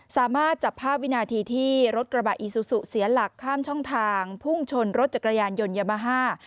สามารถจับภาพวินาทีที่รถกระบะอีซูซูเสียหลักข้ามช่องทางพุ่งชนรถจักรยานยนต์ยามาฮ่า